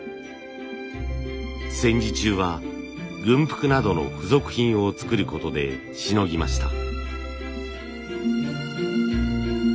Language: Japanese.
戦時中は軍服などの付属品を作ることでしのぎました。